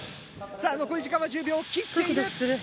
さぁ残り時間は１０秒を切っている。